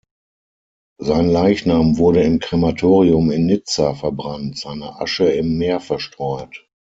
Sein Leichnam wurde im Krematorium in Nizza verbrannt, seine Asche im Meer verstreut.